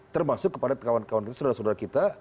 termasuk kepada kawan kawan kita saudara saudara kita